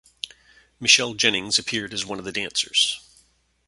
Michele Jennings appeared as one of the dancers.